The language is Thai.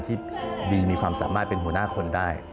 ที่ดีมีความสามารถเป็นหัวหน้าคนได้